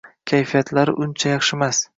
Kayfiyatlari uncha yaxshimas.